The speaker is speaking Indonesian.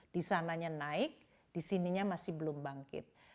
di sananya naik di sininya masih belum bangkit